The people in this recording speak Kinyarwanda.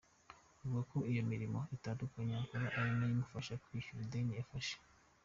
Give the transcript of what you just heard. Avuga ko iyo imirimo itandukanye akora ari yo imufasha kwishyura ideni yafashe.